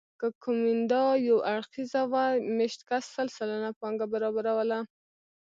که کومېندا یو اړخیزه وه مېشت کس سل سلنه پانګه برابروله